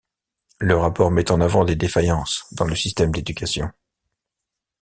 Le rapport met en avant des défaillances dans le système d'éducation.